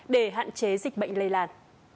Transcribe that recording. để hạn chế dịch bệnh lây lan